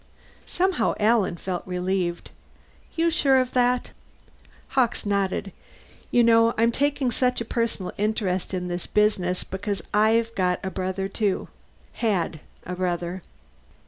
Somehow Alan felt relieved. "You're sure of that?" Hawkes nodded. "You know, I'm taking such a personal interest in this business because I've got a brother too. Had a brother."